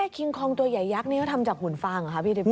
คิงคองตัวใหญ่ยักษ์นี้มันทำจากหุ่นฟางเหรอครับพี่เด็บเก้ย